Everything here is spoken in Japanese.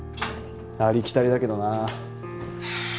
ありきたりだけどな。